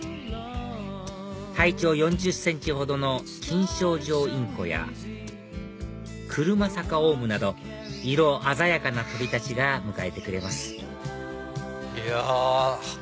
体長４０ｃｍほどのキンショウジョウインコやクルマサカオウムなど色鮮やかな鳥たちが迎えてくれますいや。